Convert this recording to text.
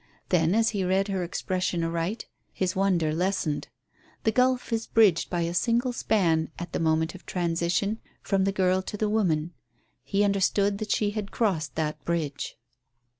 Then, as he read her expression aright, his wonder lessened. The gulf is bridged by a single span at the point of transition from the girl to the woman. He understood that she had crossed that bridge.